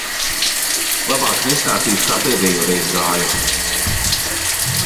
Labāk nestāstīšu, kā pēdējoreiz gāja.